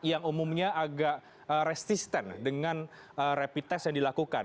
yang umumnya agak resisten dengan rapid test yang dilakukan